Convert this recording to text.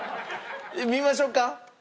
見ましょうか？